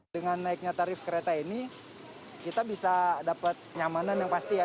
dengan naiknya tarif kereta ini kita bisa dapat nyamanan yang pasti ya